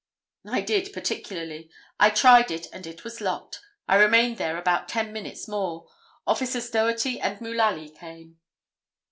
"I did particularly. I tried it and it was locked. I remained there about ten minutes more. Officers Doherty and Mullaly came."